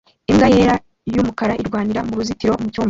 Imbwa yera n'umukara irwanira mu ruzitiro mucyumba